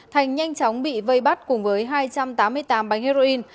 thành nhanh chóng bị vây bắt cùng với hai trăm tám mươi tám bánh heroin